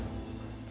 maaf di sini pak